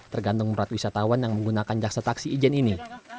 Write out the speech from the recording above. tergantung berat wisatawan yang menggunakan jaksa taksi ijen ini